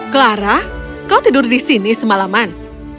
clara kau tidur di sini semalaman